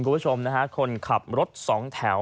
ผู้ชมค่ะคนขับรถสองแถว